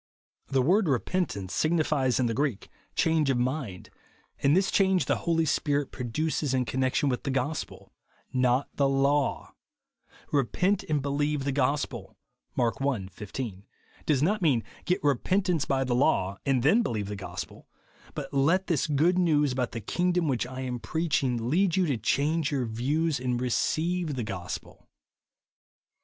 The word " repentance " signifies in the Greek, " change of mind ;" and this change IXSENSIKILITY. 163 tlie Holy Sj^irit j^i'odiices in conuection with the gospel, not the laiu. "• Kepent and believe the gosj^el " (Mark i. 15), does not mean " get re23entance hj the law, and then believe the gosj)el ;" but " let this good news about the kingdom which I am preaching, lead you to change your views and receive the gospel."